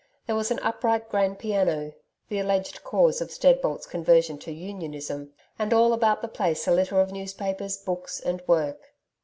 There was an upright grand piano the alleged cause of Steadbolt's conversion to Unionism, and all about the place a litter of newspapers, books and work.